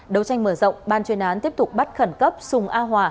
đấu tranh mở rộng ban chuyên án tiếp tục bắt khẩn cấp sùng a hòa